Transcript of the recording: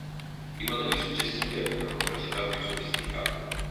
I modelli successivi avevano capacità più sofisticate.